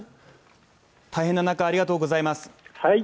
大変な中ありがとうございます。